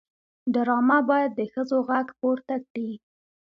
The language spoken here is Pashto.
ډرامه باید د ښځو غږ پورته کړي